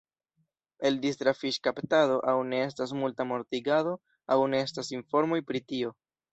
El distra fiŝkaptado aŭ ne estas multa mortigado aŭ ne estas informoj pri tio.